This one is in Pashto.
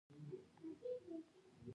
کارمند باید په خپلو چارو کې صادق وي.